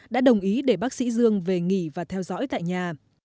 đã đồng ý để bác sĩ dương về nghỉ và theo dõi tại nhà